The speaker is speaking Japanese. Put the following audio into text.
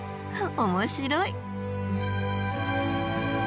面白い！